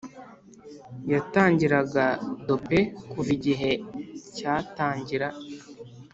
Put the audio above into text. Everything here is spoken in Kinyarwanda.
yatangiraga dope kuva igihe cyatangira